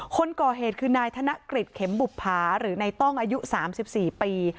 คนก่อเหตุคือนายธนกฤษเข็มบุภาหรือในต้องอายุ๓๔ปี